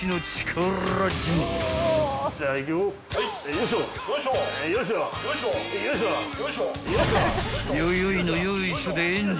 ［よよいのよいしょで］